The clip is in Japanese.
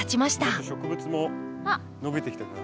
植物も伸びてきてるな。